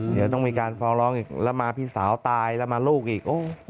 เดี๋ยวต้องมีการฟ้องร้องอีกแล้วมาพี่สาวตายแล้วมาลูกอีก